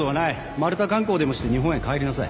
マルタ観光でもして日本へ帰りなさい。